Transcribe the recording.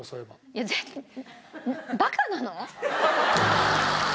いやバカなの？